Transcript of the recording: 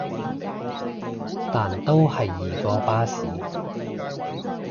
但都係易過巴士